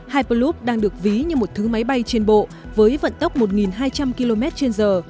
hyproup đang được ví như một thứ máy bay trên bộ với vận tốc một hai trăm linh km trên giờ